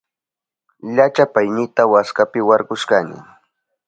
Llachapaynita waskapi warkushkani.